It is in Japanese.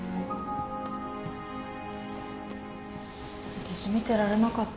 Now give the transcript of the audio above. あたし見てられなかった。